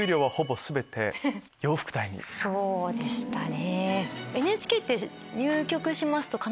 そうでしたね。